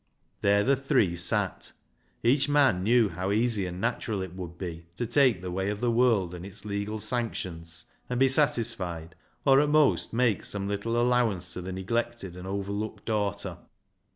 There the three sat. Each man knew how easy and natural it would be to take the way of the world and its legal sanctions, and be satisfied, or at most make some little allow ance to the neglected and overlooked daughter.